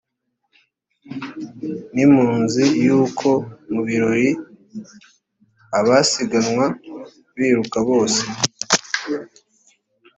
ntimuzi yuko mu birori abasiganwa biruka bose .